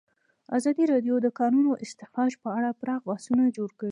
ازادي راډیو د د کانونو استخراج په اړه پراخ بحثونه جوړ کړي.